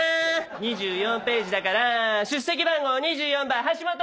２４ページだから出席番号２４番ハシモト。